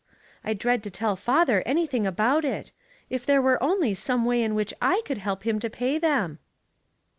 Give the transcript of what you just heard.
I dread to tell father any thing about it. If there were only some way in which J could help him to pay them."